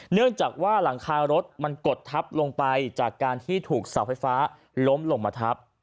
เนื่องจากว่าหลังคารถมันกดทับลงไปจากการที่ถูกเสาไฟฟ้าล้มลงมาทับ